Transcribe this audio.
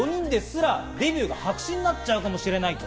デビュー組の４人ですら、デビューが白紙になっちゃうかもしれない。